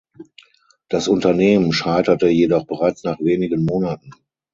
Das Unternehmen scheiterte jedoch bereits nach wenigen Monaten.